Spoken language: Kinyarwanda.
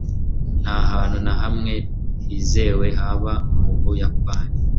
Nta hantu na hamwe hizewe haba mu Buyapani.